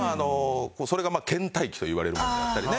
それが倦怠期といわれるものであったりね。